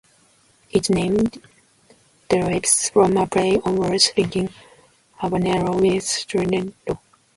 Its name derives from a play on words linking "habanero" with "Tyrant Nero".